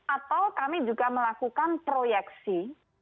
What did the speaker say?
atau kami juga melakukan proyeksi